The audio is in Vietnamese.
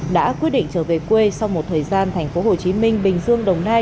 đã quyết định trở về quê sau một thời gian thành phố hồ chí minh bình dương đồng nai